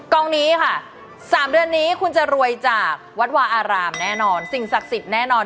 กองนี้ค่ะ๓เดือนนี้คุณจะรวยจากวัดวาอารามแน่นอนสิ่งศักดิ์สิทธิ์แน่นอน